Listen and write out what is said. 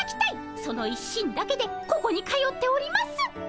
その一心だけでここに通っております。